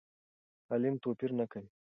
تعلیم توپیر نه کوي.